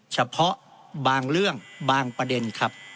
เฉพาะบางเรื่องบางประเด็นครับ